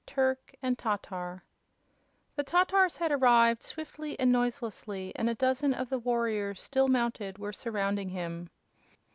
Turk and Tatar The Tatars had arrived, swiftly and noiselessly, and a dozen of the warriors, still mounted, were surrounding him.